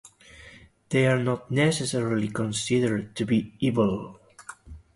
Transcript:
They are not necessarily considered to be evil.